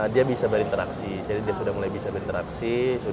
dia bisa berinteraksi jadi dia sudah mulai bisa berinteraksi